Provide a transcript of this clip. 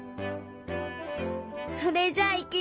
それじゃあいくよ！